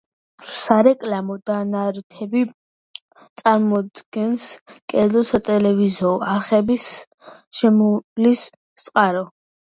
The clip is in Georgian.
სარეკლამო დანართები წარმოადგენს კერძო სატელევიზიო არხების შემოსავლის წყაროს.